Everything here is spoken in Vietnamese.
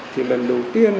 thì lần đầu tiên